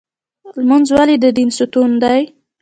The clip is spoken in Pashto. لمونځ ولې د دین ستون دی؟